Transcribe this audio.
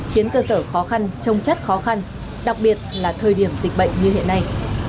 khiến cơ sở khó khăn trông chất khó khăn đặc biệt là thời điểm dịch bệnh như hiện nay